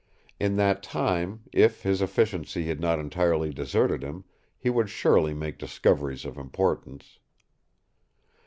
In that time, if his efficiency had not entirely deserted him, he would surely make discoveries of importance.